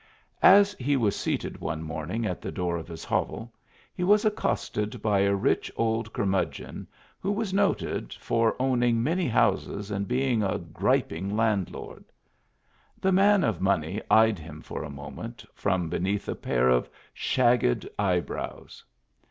As he was seated one morning at the door of his hovel, he was accosted by a rich old curmudgeon who was noted for owning many houses and being a gjiping landlord. The man of money eyed him for a moment, from beneath a pair of shagged eyebrows.